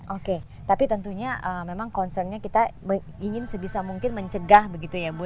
oke tapi tentunya memang concernnya kita ingin sebisa mungkin mencegah begitu ya bu